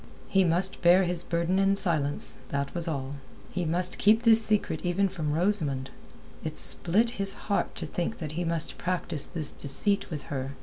He must bear his burden in silence, that was all. He must keep this secret even from Rosamund. It split his heart to think that he must practise this deceit with her.